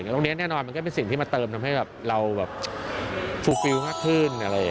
ตรงนี้แน่นอนมันก็เป็นสิ่งที่มาเติมทำให้เราแบบฟูฟิลมากขึ้น